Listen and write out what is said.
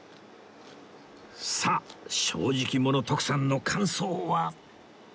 さあ正直者徳さんの感想は？